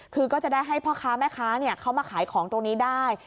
คือก็จะได้ให้พ่อค้าแม่ค้าเขามาขายของตรงนี้ได้